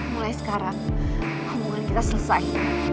mulai sekarang hubungan kita selesai